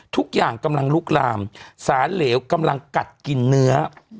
ทุกอย่างกำลังลุกลามสารเหลวกำลังกัดกินเนื้อ